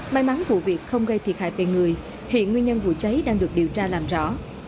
may mắn vụ việc không gây thiệt hại về người hiện nguyên nhân vụ cháy đang được điều tra làm rõ